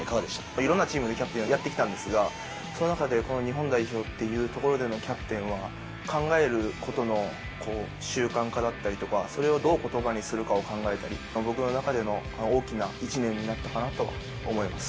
いろんなチームでキャプテンをやってきたんですが、その中でこの日本代表っていうところでのキャプテンは、考えることの習慣化だったりとか、それをどうことばにするかを考えたり、僕の中での大きな一年になったかなと思います。